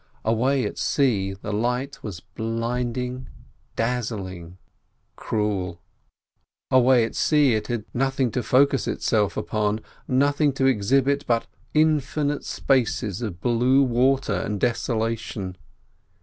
Away at sea the light was blinding, dazzling, cruel. Away at sea it had nothing to focus itself upon, nothing to exhibit but infinite spaces of blue water and desolation.